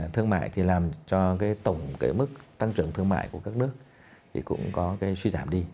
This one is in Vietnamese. thương mại thì làm cho cái tổng cái mức tăng trưởng thương mại của các nước thì cũng có cái suy giảm đi